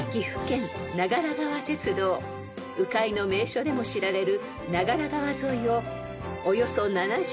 ［鵜飼いの名所でも知られる］